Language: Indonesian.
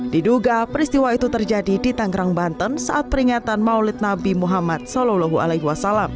diduga peristiwa itu terjadi di tanggerang banten saat peringatan maulid nabi muhammad saw